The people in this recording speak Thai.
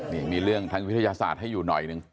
นี่มีเรื่องทางวิทยาศาสตร์ให้อยู่หน่อยหนึ่ง